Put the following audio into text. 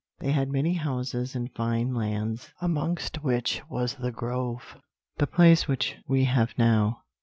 They had many houses and fine lands, amongst which was The Grove, the place which we have now.